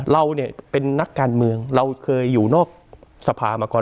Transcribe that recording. เราเนี่ยเป็นนักการเมืองเราเคยอยู่นอกสภามาก่อน